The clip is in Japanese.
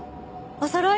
おそろい？